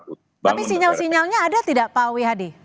tapi sinyal sinyalnya ada tidak pak wihadi